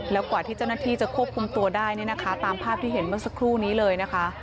แล้วกว่าที่เจ้าหน้าที่จะควบคุมตัวได้เนี่ยนะคะตามภาพที่เห็นเมื่อสักครู่นี้เลยนะคะ